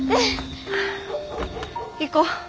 行こう。